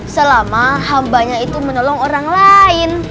selama hambanya itu menolong orang lain